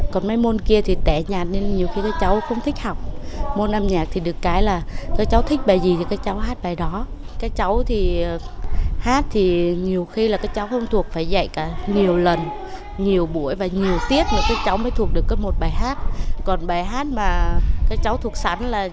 còn bài hát mà các cháu thuộc sẵn là